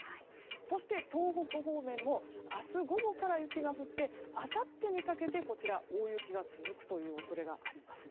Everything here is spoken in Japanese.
そして、東北方面も明日午後から雪が降ってあさってにかけて大雪が続くという恐れがあります。